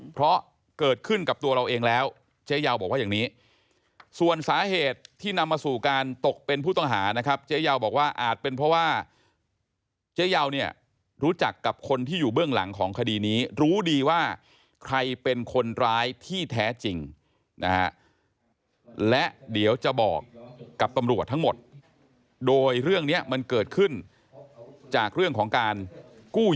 เพราะเกิดขึ้นกับตัวเราเองแล้วเจ๊ยาวบอกว่าอย่างนี้ส่วนสาเหตุที่นำมาสู่การตกเป็นผู้ต้องหานะครับเจ๊ยาวบอกว่าอาจเป็นเพราะว่าเจ๊ยาวเนี่ยรู้จักกับคนที่อยู่เบื้องหลังของคดีนี้รู้ดีว่าใครเป็นคนร้ายที่แท้จริงนะฮะและเดี๋ยวจะบอกกับตำรวจทั้งหมดโดยเรื่องนี้มันเกิดขึ้นจากเรื่องของการกู้